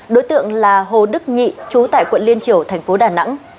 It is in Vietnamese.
đối tượng là hồ đức nhị trú tại quận liên triều tp đà nẵng